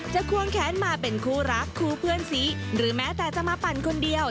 ควงแค้นมาเป็นคู่รักคู่เพื่อนสีหรือแม้แต่จะมาปั่นคนเดียว